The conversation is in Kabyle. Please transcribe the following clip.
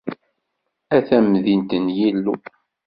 A tamdint n Yillu!